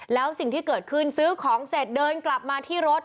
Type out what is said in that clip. แล้วสิ่งที่เกิดขึ้นซื้อของเสร็จเดินกลับมาที่รถ